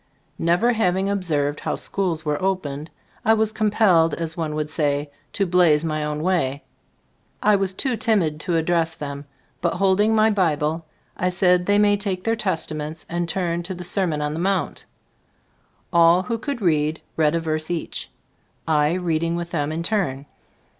Never having observed how schools were opened, I was compelled, as one would say, to "blaze my own way." I was too timid to address them, but Zbe Storg of As Gbfl&boo& 117 holding my Bible, I said they might take their Testaments and turn to the Sermon on the Mount. All who could read, read a verse each, I read ing with them in turn.